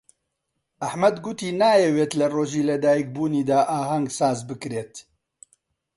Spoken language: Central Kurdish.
ئەحمەد گوتی نایەوێت لە ڕۆژی لەدایکبوونیدا ئاهەنگ ساز بکرێت.